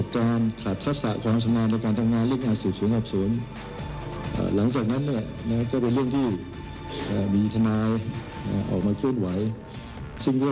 จบงานนั้นก็เป็นเรื่องที่มีธนายออกมาเคลื่อนไหว